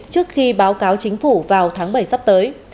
trước khi báo cáo chính phủ vào tháng bảy sắp tới